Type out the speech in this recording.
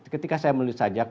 ketika saya menulis sajak